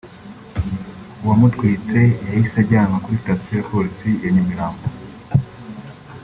uwamutwitse yahise ajyanwa kuri sitasiyo ya Polisi ya Nyamirambo